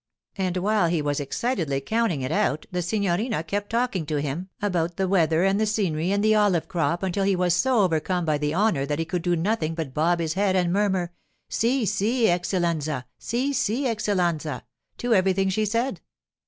And while he was excitedly counting it out the signorina kept talking to him about the weather and the scenery and the olive crop until he was so overcome by the honour that he could do nothing but bob his head and murmur, 'Si, si, eccelenza; si, si, eccelenza,' to everything she said.